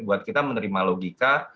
buat kita menerima logika